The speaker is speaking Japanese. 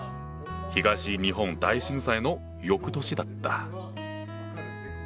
東日本大震災の翌年だった。